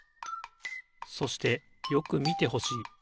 そしてよくみてほしい。